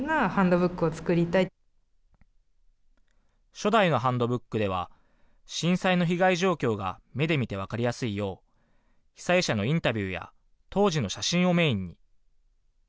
初代のハンドブックでは、震災の被害状況が目で見て分かりやすいよう、被災者のインタビューや、当時の写真をメインに。